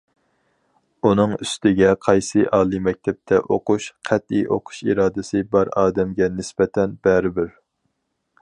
ئۇنىڭ ئۈستىگە قايسى ئالىي مەكتەپتە ئوقۇش- قەتئىي ئوقۇش ئىرادىسى بار ئادەمگە نىسبەتەن بەرىبىر.